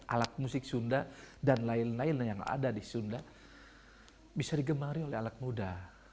alat musik sunda dan lain lain yang ada di sunda bisa digemari oleh anak muda